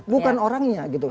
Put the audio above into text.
bukan orangnya gitu